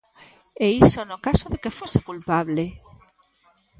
E iso no caso de que fose culpable!